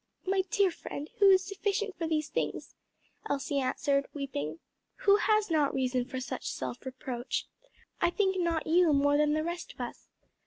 "My dear friend, 'who is sufficient for these things?'" Elsie answered, weeping; "who has not reason for such self reproach? I think not you more than the rest of us."